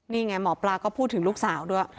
นี่ไงหมอปลาก็พูดถึงลูกสาวด้วย